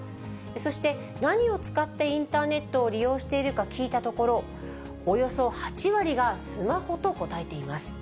そして何を使ってインターネットを利用しているか聞いたところ、およそ８割がスマホと答えています。